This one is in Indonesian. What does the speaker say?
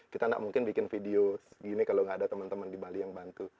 kita nggak mungkin bikin video gini kalau nggak ada teman teman di bawah